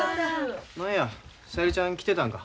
何や小百合ちゃん来てたんか。